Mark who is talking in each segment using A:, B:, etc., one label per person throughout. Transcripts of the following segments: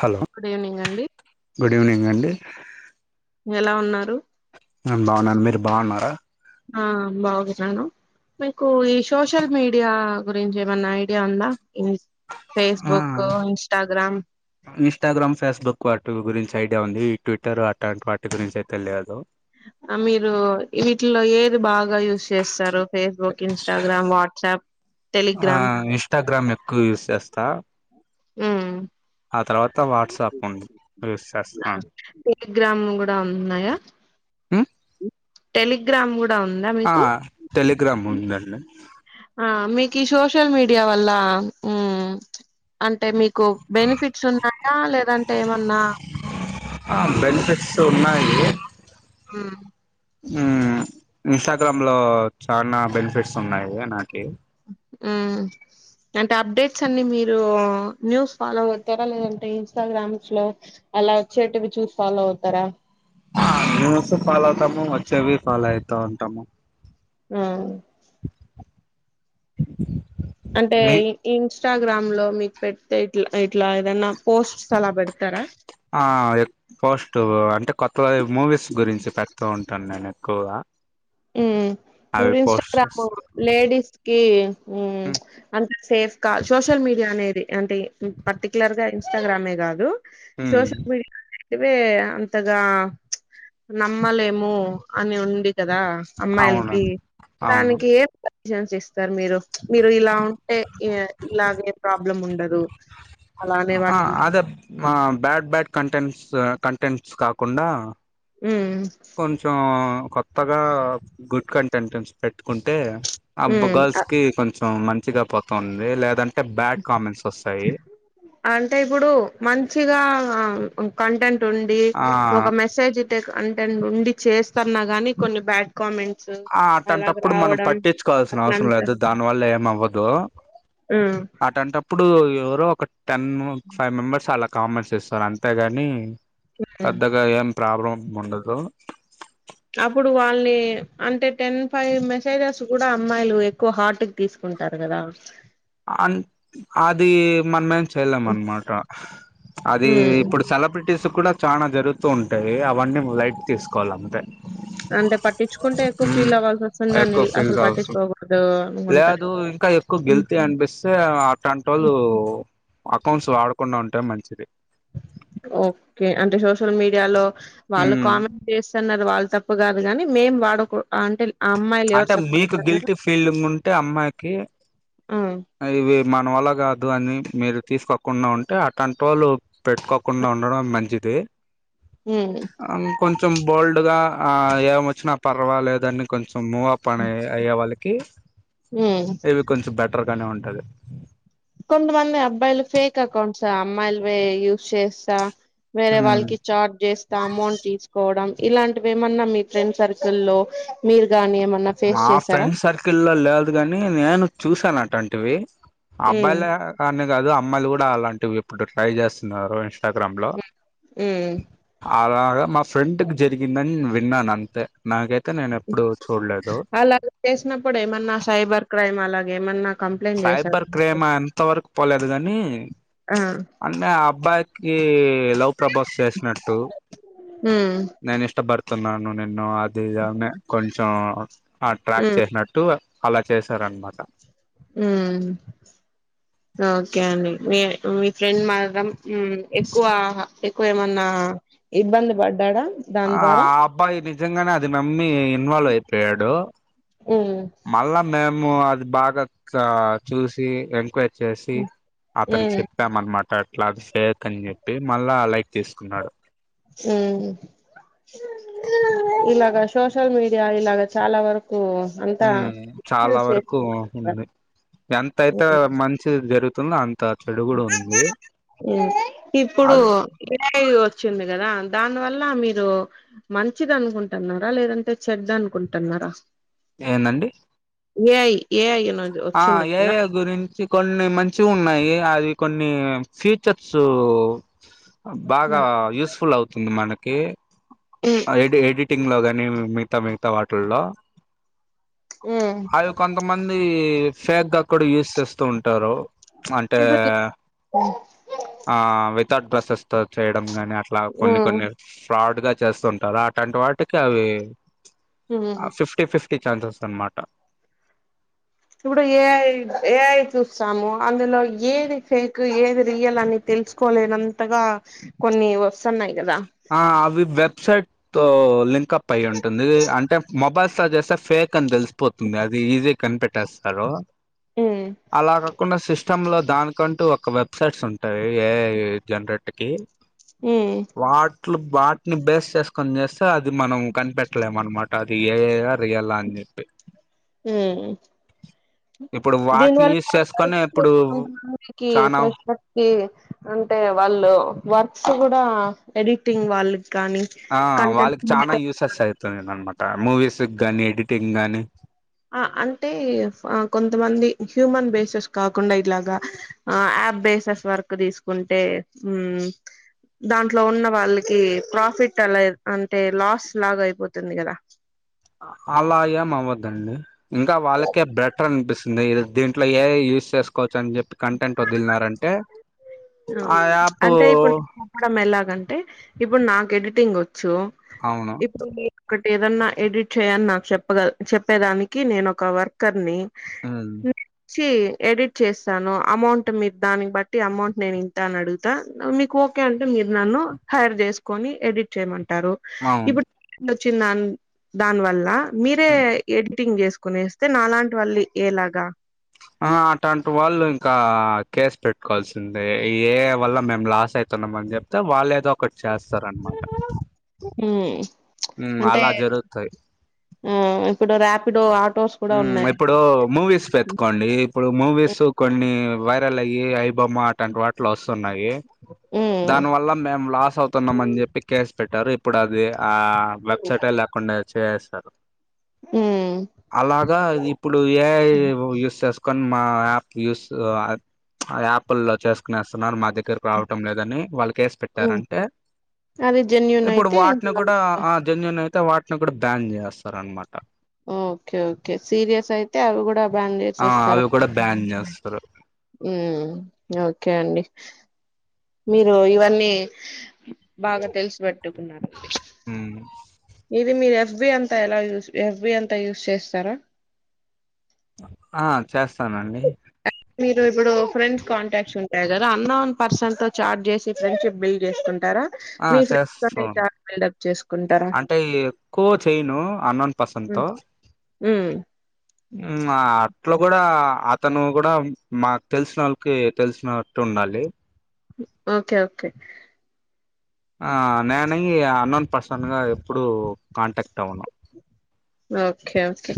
A: Hello
B: good evening అండి.
A: Good evening అండి
B: ఎలా ఉన్నారు?
A: నేను బాగున్నాను మీరు బాగున్నారా?
B: ఆ బాగుర్నాను. మీకు ఈ సోషల్ మీడియా గురించి ఏమన్నా ఐడియా ఉందా?
A: ఆ
B: ఫేస్బుక్ ఇన్స్టాగ్రామ్
A: ఇన్స్టాగ్రామ్ ఫేస్బుక్ వాటు గురించి ఐడియా ఉంది. ఈ ట్విట్టర్ అలాంటి వాటి గురించి అయితే తెలియదు.
B: ఆ మీరు వీటిలో ఏది బాగా యూజ్ చేస్తరు. Facebook, Instagram, WhatsApp, Telegram.
A: క్కువ్ యుస్ చేస్తా.
B: ఉమ్
A: ఆ తర్వాత వాట్సాప్ ఉంది యూస్ చేస్తాను
B: నాక్ టెలి గ్రామ్ కూడా ఉన్నాయా?
A: ఉమ్
B: టెలిగ్రామ్ కూడా ఉందా
A: ఆ టెలిగ్రామ్ ఉందండి
B: ఆ మీక్ ఈ సోషల్ మీడియా వల్ల ఉమ్ అం అంటే మీకు బెనిఫిట్స్ ఉన్నాయా? లేదంటే ఏమన్నా
A: ఆ బెనిఫిట్స్ ఉన్నాయి
B: ఉమ్
A: ఉమ్ ఇంస్టాగ్రామ్ లో చాలా బెనిఫిట్స్ ఉన్నాయి నాకి
B: ఉమ్ అంటే అప్డేట్స్ అన్ని మీరు న్యూస్ ఫాలో అవుతారా లేదంటే ఏ ఇన్స్టాగ్రామ్స్ లో అలా వచ్చేటివి చూసి ఫాలో అవుతారా?
A: ఆ న్యూస్ ఫాలో అవుతాము వచ్చేవి ఫాలో అయితా ఉంటాము
B: ఉమ్ అంటే
A: మీ
B: ఈ ఇన్స్ ఇన్స్టాగ్రామ్ లో మీకు పెడితే ఇట్లా ఇట్లా ఏదైనా పోస్ట్స్ అలా పెడతారా?
A: ఆ పోస్ట్ అంటే కొత్త మూవీస్ గురించి పెడుతూ ఉంటాను నేను ఎక్కువగా
B: ఉమ్
A: అవి
B: ఇప్పుడు
A: పోస్ట్
B: ఇన్స్టాగ్రామ్
A: చేస్తా
B: లేడీస్కి ఉమ్ చ్ అంటే సేఫ్ కా సోషల్ మీడియా అనేది అంటే పర్టికులర్ గా ఇన్స్టాగ్రామే గాదు సోషల్ మీడియా ఇవే అంతగా నమ్మలేము అని ఉంది కదా
A: అవును
B: అమ్మాయిలకి
A: అవును
B: దానికి ఏ సజషన్స్ ఇస్తారు. మీరు మీరు ఇలా ఉంటే ఈవే ఇలాగే ఏ ప్రాబ్లం ఉండదు. అలానే
A: ఆ
B: వాటికి
A: అదే బ్యాడ్ బ్యాడ్ కంటెంట్స్ కంటెంట్స్ కాకుండా
B: హ్మ్
A: కొంచెం కొత్తగా గుడ్ కంటెంట్స్ పెట్టుకుంటే ఆబ్
B: హ్మ్
A: గర్ల్స్
B: అ
A: కి కొంచెం మంచిగా పోతుంది లేదం
B: అంటే ఇప్పుడు మం చిగా కంటెంట్ ఉండి
A: ఆ
B: ఒక మెసేజ్ కంటెండ్ నుండి చేస్తన్నా గాని కొన్ని బ్యాడ్ కామెంట్స్
A: ఆ
B: అలాగ
A: అట్టాట్టప్పుడు మనం
B: రావడం
A: పట్టించుకోవాల్సిన అవసరం
B: అట్లంతా
A: లేదు దాని వల్ల ఏమవ్వదు. దు.
B: ఉమ్
A: అటాంటప్పుడు ఎవరో ఒక టెన్ ఫైవ్ మెంబెర్స్ అలా కామెంట్స్ ఇస్తారు అంతేగాని పెద్దగా ఏం ప్రాబ్లం ఉండదు.
B: అప్పుడు వాల్ని అంటే టెన్ ఫైవ్ మెసేజెస్ కూడా అమ్మాయిలు ఎక్కువ హార్ట్ కి తీసుకు కుంటారు కదా
A: అన్ అది మనమేం చేయలేం అనమాట. అది
B: ఉమ్
A: ఇప్పుడు సెలబ్రిటీస్ కూడా చానా జరుగుతూ ఉంటాయి అవన్నీ లైట్ తీసుకోవాలంతే
B: అంటే పట్టిచ్చుకుంటే ఎక్కువ ఫీల్ అవ్వాల్సి వస్తుంది
A: ఎక్కువ
B: దాన్నిల్ అసలు
A: ఫీల్స్ అవసరం
B: పట్టిచ్చుకోకూడదు.
A: లేదు ఇంకా ఎక్కువ గిల్టీ అనిపిస్తే అట్టాంటోళ్ళు అకౌంట్స్ వాడకుండా ఉంటే మంచిది.
B: ఓకే. అంటే సోషల్ మీడియాలో వాళ్ళు
A: మ్మ్
B: కామెంట్ చేస్తన్నారు వాళ్ళు తప్పు కాదు కాని మేం వాడకు అంటే ఆ అమ్మాయిలు ఎవరు
A: అంటే మీకు
B: సపోర్ట్న్నారు
A: గిల్టీ ఫీలింగ్ ఉంటే అమ్మాయికి
B: ఉమ్
A: అది వే మన వల్ల కాదు అని మీరు తీసుకోకుండా ఉంటే అట్టాంటోళ్ళు పెట్టుకోకుండా ఉండడం మంచి ది. ఇంకొంచెం బోల్డ్గా ఆ ఏం వచ్చినా పర్వాలేదని కొంచెం మూవ్ప్ అని అయ్యే వాళ్ళకి
B: ఉమ్
A: ఇవి కొంచెం బెటర్గానే ఉంటది.
B: కొంత మంది అబ్బాయిల్ ఫేక్ అకౌంట్సే అమ్మాయిల్వే యూస్ చేస్సా వేరే వాళ్ళకి ఛార్జ్ చేస్తే అమౌంట్ తీసుకోవడం. ఇలాంటివేమన్నా మీ ఫ్రెండ్ సర్కిల్లో మీరు గాని ఏమన్నా ఫేస్
A: మా
B: చేసారా
A: ఫ్రెండ్ సర్కిల్ల్లో లేదు గాని నేను చూసానట్టాంటివి.
B: ఉమ్
A: అబ్బాయిలే కానే కాదు అమ్మాయిలు కూడా అలాంటివి ఇప్పుడు ట్రై చేస్తున్నారు ఇన్స్టాగ్రామ్లో
B: మ్
A: అలాగా మా ఫ్రెండ్కి జరిగిందని విన్నానంతే నాకైతే నేను ఎప్పుడు చూడ
B: వాళ్ళు అలా చేసినప్పుడేమన్నా సైబర్ క్రైమ్ అలాగేమన్న
A: సైబర్ క్రైమ్ అంత వరకు పోలేదు గాని
B: ఆ
A: అంటే అబ్బాయికి లవ్ ప్రపోస్ చేసినట్టు
B: ఉమ్
A: నేను ఇష్ట బడ్తున్నాను నిన్ను అది ఇది అని కొంచెం ఆ ట్రాప్ చేసినట్టు అలా చేస్
B: ఉ ఓకే అండి మీ మీ ఫ్రెండ్ మాత్రం ఉ ఎక్కువ ఎక్కువ ఏమన్నా ఇబ్బంది పడ్డాడా దాని
A: ఆ
B: ద్వారా
A: ఆ అబ్బాయి నిజంగానే అది నమ్మి ఇన్వాల్వ్ అయిపోయాడు.
B: ఉమ్
A: మళ్ళా మేము అది బాగా చూసి ఎంక్వై చేసి అతనికి
B: ఉమ్
A: చెప్పా మన్మాట అట్లా అది ఫేక్ అని చెప్పి మళ్ళా లైక్ తీసుకున్నాడు.
B: మ్. ఇలాగా సోషల్ మీడియా ఇలాగ చాలా వరక్
A: మ్ చాలా వరకు ఉంది. ఎంతయితే మంచి జరుగు
B: ఇప్పుడు
A: అది
B: [unintelligible] వచ్చింది కదా దాని వల్ల మీరు మంచిదనుకుంటున్నారా లేదంటే చెడ్డ అనుకుంటున్న డ్రా
A: ఏందండి.
B: ఏ ఐ ఏఐ అనేది
A: ఆ
B: వచ్చింది
A: ఏ
B: కదా
A: ఐ గురించి కొన్ని మంచి ఉన్నాయి. అది కొన్ని ఫ్యూచర్స్ బాగా యూస్పుల్ అవుతుంది మనకి
B: ఉమ్
A: ఆఎడి ఎడిటింగ్ లో గాని మిగతా మిగతా వాటిల్లో
B: ఉమ్
A: అవి కొంతమంది ఫేక్ గా కూడా యూజ్ చేస్తూ ఉంటారు అంటే
B: ఇప్పుడు
A: ఆ వితౌట్ బడ్రెసెస్ త చేయడం గనీ అని అట్లా కొన్ని
B: ఉమ్
A: కొన్ని ఫ్రాడ్ గా చేస్తుంటారు అలాంటి వాటికి అవి ఆ
B: ఉమ్
A: ఫిఫ్టీ ఫిఫ్టీ ఛాన్సెస్ అనమాట
B: ఇప్పుడు ఏఐ ఏఐ చూస్తాము అందులో ఏది ఫేక్ ఏది రియల్ అని తే తెలుసుకోలేనంతగా కొన్ని వస్తున్నాయి కదా
A: ఆ అవి వెబ్సైట్ తో లింక్ప్ అప్పు అయి ఉంటుంది అంటే మొబైల్ స్తా చేస్తే ఫేక్ అని తెలిసిపోతుంది అది ఈజీ కనిపేట్ టేస్తారు
B: ఉమ్
A: అలా కాకుండా సిస్ సిస్టంలో దానికంటూ ఒక వెబ్సైట్స్ ఉంటాయి ఏ జనరేట్ర్కి
B: ఉ
A: అట్లు వాటిని బేస్ చేసుకొని చేస్తే అది మనం కనిపెట్టలేము అనమాట అది ఏఐ ఆ రియల్ అని చెప్పి
B: ఉ
A: ఇప్పుడు వాటిని
B: దీనివల్ల
A: యూస్ చేసుకొని
B: వర్క్
A: ఇప్పుడు
B: చేస్తున్న వారికి
A: చానా
B: ఫ్రెషర్స్ కి అంటే వాళ్ళు వర్క్స్ కూడా ఎడిటింగ్ వాళ్ళు
A: ఆ వాళ్ళకి చనాా యూసెస్ అవుతుంది అనమాట మూవీస్ గానీ ఎడిటింగ్ గాని
B: ఆ అంటే ఫా కొంతమంది హ్యూమన్ బేసెస్ కాకుండా ఇలాగా యా యాప్ బేసస్ వర్క్ తీసుకుంటే ఉ దాంట్లో ఉన్న వాళ్ళకి ప్రాఫిట్ అలా అంటే లాస్ లాగ అయిపోతుంది కదా
A: అలా ఏం అవద్దండి ఇంకా వాళ్ళకే బెటర్ అనిపిస్తుంది దీంట్లో ఏఐ యూస్ చేసుకోవచ్చ అని చెప్పి కంటెంట్ వదిలినారంటే
B: ఆ అంటే ఇప్పుడు నేను చెప్పడం ఎలాగంటే ఇప్పుడు నాకు ఎడిటింగ్ వచ్ చ్చు
A: అవును
B: ఇప్పుడు మీ ఒకటి ఏదన్నా ఎడిట్ చేయని నాకు చెప్పగ చెప్పేదానికి నేను ఒక వర్కర్ ని
A: అన్
B: వచ్చి ఎడిట్ చేస్తాను అమౌంట్ మీ దాన్ని బట్టి అమౌంట్ నేను ఇంత అని అడుగుతా మీకు ఓకే అంటే మీరు నన్ను హైర్ చేసుకుొని ఎడిట్ చేయమంట టారు
A: అవును
B: ఇప్పుడు వచ్చంది దా దాని వల్ల మీరే
A: ఉమ్.
B: ఎడిట్ టింగ్ చేసుకొనిస్తే నాలాంటి వాళ్ళు ఎలాగా
A: ఆ అట్టంటి వాళ్ళు ఇంకా కేసు పెట్టుకోవాల్సిందే ఏఐ వల్ల మేము లాస్ అయితున్నా ము అని చెప్తే వాళ్ళ ఏదో ఒకటి చేస్తారన్నమాట
B: మ్మ్
A: ఉ అలా జరుగుతాయి
B: ఉ ఇప్పుడు రాప్
A: ఉ ఇప్పుడు మూవీస్ పెట్కోండి ఇప్పుడు మూవీస్ కొన్ని వైరల్ అయ్యి అయిబొమ్మ అట్లాంటి వాటిల్లో వస్తున్నాయి
B: మ్మ్
A: దాని వల్ల మేము లాస్ అవుతున్నాం అని చెప్పి కేసు పెట్టారు ఇప్పుడు అది ఆ వెబ్సైట్ లేకుండా చేస్తారు
B: మ్మ్
A: అలాగా ఇప్పుడు ఏఐ యూస్ చేసు కొన్ మా యాప్ యూస్ యాప్ లో చేసుకునిస్తున్నారు మా దగ్గర టం లేదని వాళ్ళకి కేస్
B: మ్మ్
A: పెట్టారంటే
B: అది జెన్యూన్
A: ఇప్పుడు
B: అయితే ఇంకా
A: వాటిని కూడా ఆ జన్యున్ అయితే వాటిని కూడా బ్యాన్ చేస్తారు అనమాట
B: ఓకే ఓకే సీరియస్ అయితే అవి కూడా బ్యాన్
A: ఆ
B: చేసేస్తారు
A: అవి కూడా బ్యాన్ చేస్తారు
B: ఉ ఓకే అండి మీరు ఇవన్నీ బాగా తెలిసి పెట్టుకున్నారు
A: ఉమ్,
B: ఇది మీరు ఎఫ్బి అంతా ఎలా యూస్ ఎఫ్బి అంతా యూస్ చేస్తారా
A: ఆ చేస్తానండి
B: మీరు ఇప్పుడు ఫ్రెండ్స్ కాంటాక్ట్స్ ఉన్ గా అన్నోన్ పర్సెట్ తో చాట్ చేసి ఫ్రెండ్షిప్ బిల్ చేసుక్
A: ఆ చేస్తాను
B: బిల్డప్ చేసుకుంటారా
A: అంటే ఎక్కువ చేయ్యను అన్నం పసంతో
B: ఉమ్
A: ఉమ్ ఆ అట్లా కూడా అతను కూడా మాకు తెలిసిన ఓళ్ళకి తెలిసినట్టు ఉన్ మళ్ళీ
B: ఓకే ఓకే
A: ఆ నేని అన్నోన్ పర్సన్ గా ఎప్పుడు కాంటాక్ట్ అవ్వను
B: ఓకే ఓకే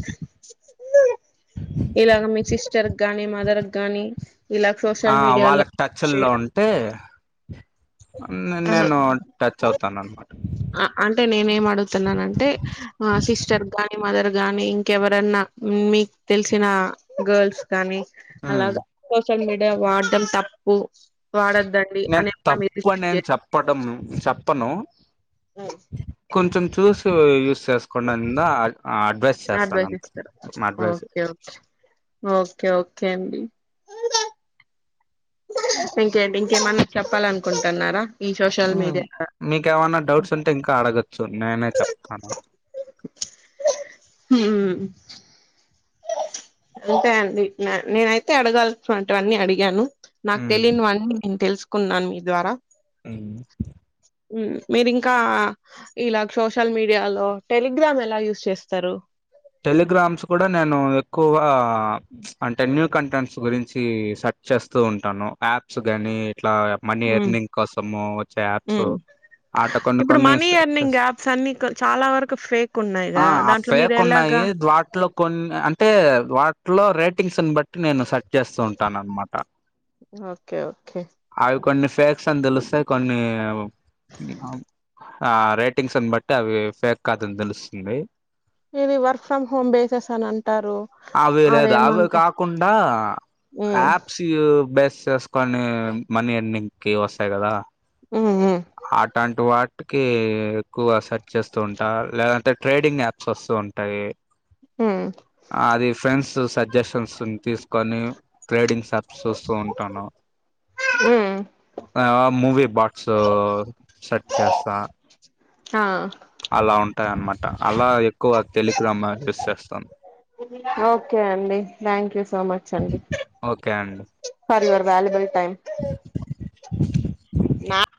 B: ఇలాగ మీ సిస్టర్కి గాని మదర్కి గాని ఇలా
A: ఆ
B: సోషల్ మీడియాలో
A: వాళ్ళక్ టచ్చ్ ల్లో
B: చేయడం
A: ఉంటే నేను
B: ఆహా
A: టచ్ అవుతాన్ అన్నమాట
B: అంటే నేనేం అడుగుతున్నానంటే మా సిస్టర్కి గాని, మదర్ గాని ఇంకెవరన్నా మీక్ తెలిసిన గల్స్ కానీ
A: మ్మ్
B: అలాగా సోషల్ మీడియా వాడటం తప్పు వాడొద్దండి
A: నేన్
B: అని ఏమన్నా మీరు
A: తప్పు అని
B: రిస్ట్రిక్ట్
A: నేన్ చెప్పటం చెప్పను.
B: ఉమ్
A: కొంచెం చూసి యూస్ చేసుకొన్నండ
B: అడ్వైస్ ఇస్తారు
A: advice
B: okay okay okay okay అండి. ఇంకేంటి ఇంకేమన్న చెప్పాలనుకుంటున్నారా? ఈ సోషల్
A: ఉమ్
B: మీడియా
A: మీకే ఎవన్నా డౌట్స్ ఉంటే ఇంకా ఆడగ్ చు నేనే చెప్తాను.
B: ఉమ్ అంతే అండి న నేనైతే అడగాల్సినవంటివన్నీ అడిగాను. నాకు
A: మ్మ్
B: తెలియనివన్నీ నేను తెలుసుకున్నాను మీ ద్వారా
A: ఉమ్
B: ఉమ్ మీరింకా ఇలాగ్ సోషల్ మీడియాలో టెలిగ్రామ్ ఎలా యూస్ చేస్తారు.
A: టెలిగ్రామ్స్ కూడా నేను ఎక్కువగా చ్ అంటే న్యూ కంటెంట్స్ గురించి స చేస్తూ ఉంటాను. యాప్స్ గాని ఇట్లా మనీ
B: మ్మ్
A: ఎర్నింగ్ కోసము వచ్చే యాప్సు
B: మ్మ్ ఇప్పుడు మనీ ఎర్నింగ్ యాప్స్ అన్ని క్ చాలా వరకు ఫేక్ ఉన్నాయి కదా దాంట్లో మీరెం
A: కున్నాయి వాట్లో కొన్ని అంటే వాట్లో రేట్ టింగ్స్ న్ బట్టి నేను సర్చ్ చేస్తూ ఉంటానన్నమాట
B: ఓకే ఓకే
A: కొన్ని ఫేక్స్ అని తెలుస్తాయి కొన్ని ఆ రేటింగ్స్ ని బట్టి అవి ఫేక్ కాదని తెలుస్తుంది.
B: ఇది వర్క్ ఫ్రమ్ హోమ్ బేసెస్ అని అంటారు
A: అవి లేదా అవి
B: అదేమంటే
A: కాకుండా
B: మ్మ్
A: ఆప్స్ బెస్ చేసుకొనీ మనీ ఎర్నింగ్ కి వస్తాయి. కదా
B: మ్మ్ మ్మ్
A: అటాంటి వాట్ టికి ఎక్కువ సెర్చ్ చేస్తూ ఉంటా లేదంటే ట్రేడింగ్ యాప్స్ వస్తూ ఉంటాయి.
B: ఉమ్
A: అది ఫ్రెండ్స్ సజెషన్స్ ని తీసుకొని ట్రేడింగ్స్ యాప్స్ చూస్తూ ఉంటాను.
B: మ్మ్.
A: ఆ మూవీ బాక్సు సెర్చ్ చేస్తా.
B: ఆ
A: అలా ఉంటాయి అన్నమాట అలా ఎక్కువ టెలిగ్రామా యూస్ చేస్తాం.
B: ఓకే అండి థ్యాంక్ యూ సో మచ్ అండి
A: ఓకే అండి
B: ఫర్ యువర్ వాలిబుల్ టైం నా